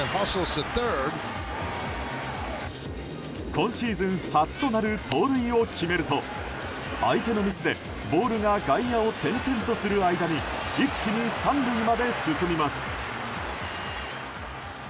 今シーズン初となる盗塁を決めると相手のミスでボールが外野を転々とする間に一気に３塁まで進みます。